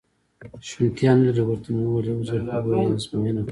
شونېتیا نه لري، ورته مې وویل: یو ځل خو به یې ازموینه کړو.